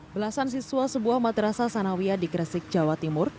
belasan siswa sebuah madrasa sanawiya di kresik jawa timur